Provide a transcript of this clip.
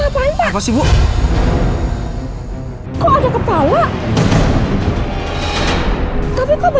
sepertinya mayat bapak bu